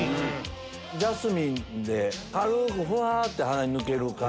ジャスミンで軽くふわって鼻に抜ける感じです。